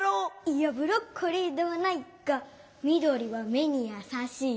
いやブロッコリーではない！がみどりはめにやさしい。